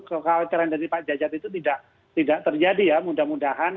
kekhawatiran dari pak jajat itu tidak terjadi ya mudah mudahan